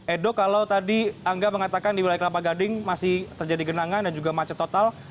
edo kalau tadi angga mengatakan di wilayah kelapa gading masih terjadi genangan dan juga macet total